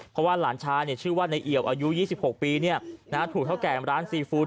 เพราะว่าหลานชายชื่อว่าในเอี่ยวอายุ๒๖ปีถูกเท่าแก่ร้านซีฟู้ด